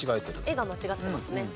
絵が間違ってますね。